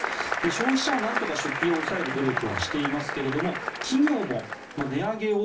消費者はなんとか出費を抑える努力はしていますが企業も値上げを